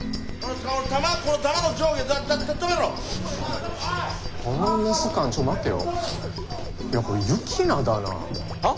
ちょっと待てよ。